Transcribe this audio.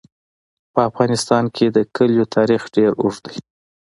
په افغانستان کې د کلیو تاریخ ډېر اوږد دی.